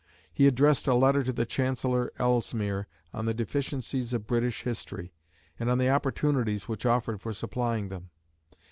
He addressed a letter to the Chancellor Ellesmere on the deficiencies of British history, and on the opportunities which offered for supplying them.